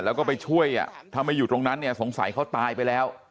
แล้วก็ไปช่วยถ้าไม่อยู่ตรงนั้นเนี่ยสงสัยเขาตายไปแล้ว